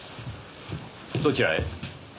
どちらへ？